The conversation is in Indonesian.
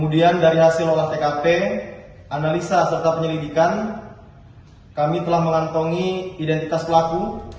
dari hasil olah tkp analisa serta penyelidikan kami telah mengantongi identitas pelaku